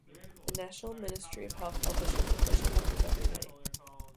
The National Ministry of Health publishes official numbers every night.